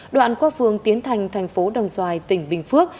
đoạn qua phường tiến thành thành phố đồng xoài tỉnh bình phước